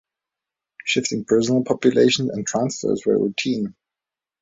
Shifting prisoner populations and transfers were routine.